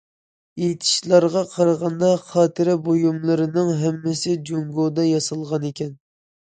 ئېيتىشلارغا قارىغاندا، خاتىرە بۇيۇملىرىنىڭ ھەممىسى جۇڭگودا ياسالغان ئىكەن.